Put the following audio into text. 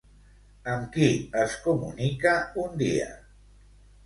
Amb qui es comunica un dia?